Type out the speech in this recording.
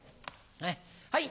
はい！